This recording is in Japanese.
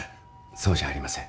そうじゃありません。